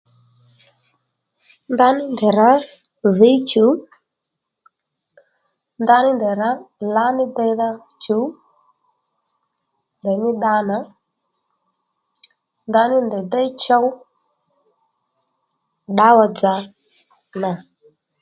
Ndaní ndèy rǎ dhǐy chuw ndaní ndèy rǎ lǎní deydha chuw ndèymí bba nà ndaní ndèy déy chow ddǎwà dzà nà